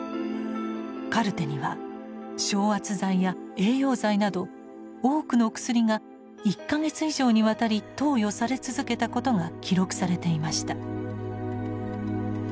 カルテには昇圧剤や栄養剤など多くの薬が１か月以上にわたり投与され続けたことが記録されていました。